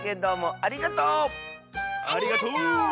ありがとう！